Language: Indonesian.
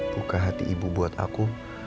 buka hati ibu buat aku